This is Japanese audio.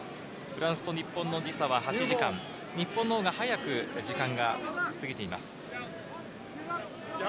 フランスと日本の時差は８時間、日本のほうが早く時間が過ぎています。